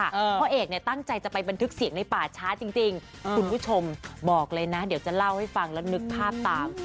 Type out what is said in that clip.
พ่อเอกเนี่ยตั้งใจจะไปบันทึกเสียงในป่าช้าจริงคุณผู้ชมบอกเลยนะเดี๋ยวจะเล่าให้ฟังแล้วนึกภาพตาม